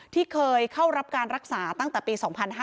ที่เคยเข้ารับการรักษาตั้งแต่ปี๒๕๕๙